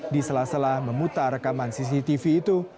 di sela sela memutar rekaman cctv itu